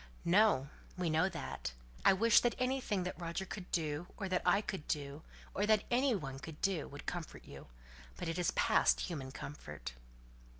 "No! we know that. I wish that anything that Roger could do, or that I could do, or that any one could do, would comfort you; but it is past human comfort."